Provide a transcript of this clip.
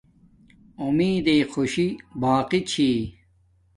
اُمیدݵ خوشی باقی چھی